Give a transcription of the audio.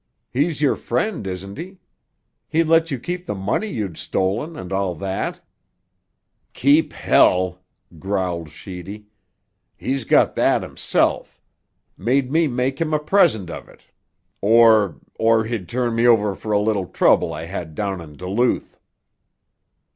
"He's your friend, isn't he? He let you keep the money you'd stolen, and all that." "Keep——!" growled Sheedy. "He's got that himself. Made me make him a present of it, or—or he'd turn me over for a little trouble I had down in Duluth."